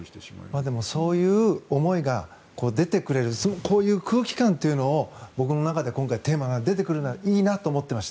でも、そういう思いが出てくれるこういう空気感というのを僕の中で今回テーマが出てくるならいいなと思っていました。